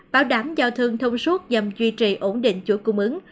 bảo đảm giao thương thông suốt nhằm duy trì ổn định chuỗi cung ứng